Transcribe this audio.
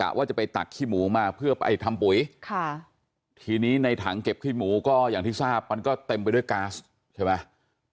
ว่าจะไปตักขี้หมูมาเพื่อไปทำปุ๋ยค่ะทีนี้ในถังเก็บขี้หมูก็อย่างที่ทราบมันก็เต็มไปด้วยก๊าซใช่ไหม